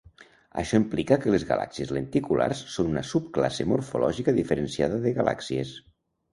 Això implica que les galàxies lenticulars són una subclasse morfològica diferenciada de galàxies.